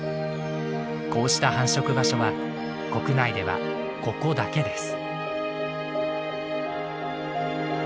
こうした繁殖場所は国内ではここだけです。